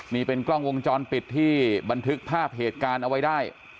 นี่เป็นกล้องวงจรปิดที่บันทึกภาพเหตุการณ์เอาไว้ได้